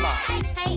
はい。